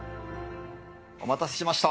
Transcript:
お待たせしました。